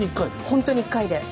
本当に１回で。